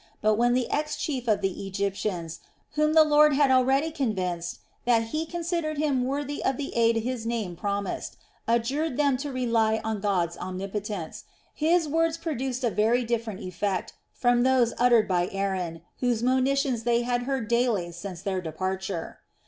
But when the ex chief of the Egyptians whom the Lord had already convinced that He considered him worthy of the aid his name promised adjured them to rely on God's omnipotence, his words produced a very different effect from those uttered by Aaron whose monitions they had heard daily since their departure.